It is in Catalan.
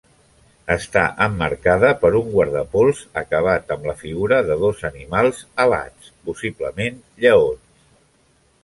Està emmarcada per un guardapols acabat amb la figura de dos animals alats -possiblement lleons.